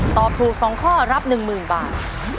ตอบถูก๒ข้อรับ๑๐๐๐บาท